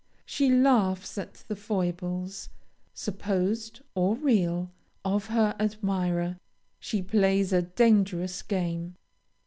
She laughs at the foibles, supposed or real, of her admirer: she plays a dangerous game.